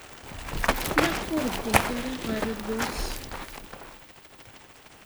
Maɣef ur ddint ara ɣer Rrus?